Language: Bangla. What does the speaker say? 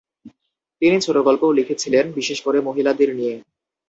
তিনি ছোট গল্পও লিখেছিলেন, বিশেষ করে মহিলাদের নিয়ে।